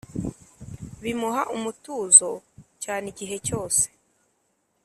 bimuha umutuzo cyane igihe cyose.